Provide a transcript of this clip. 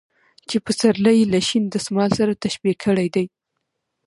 چې پسرلى يې له شين دسمال سره تشبيه کړى دى .